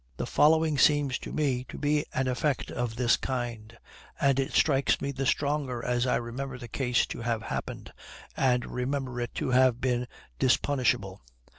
The following seems to me to be an effect of this kind, and it strikes me the stronger as I remember the case to have happened, and remember it to have been dispunishable.